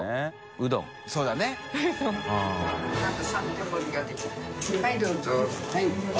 うどん